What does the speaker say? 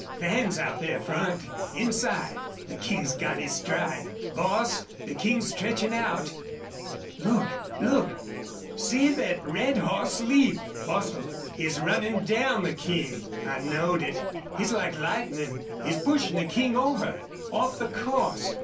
... Van's out there front inside. The King's got his stride. Boss, the King's stretchin' out! ... Look! Look! see thet red hoss leap! ... Bostil, he's runnin' down the King! I knowed it. He's like lightnin'. He's pushin' the King over off the course!